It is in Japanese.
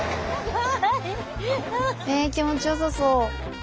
気持ちよさそう。